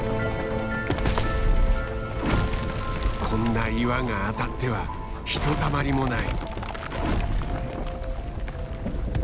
こんな岩が当たってはひとたまりもない。